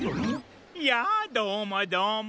やあどうもどうも。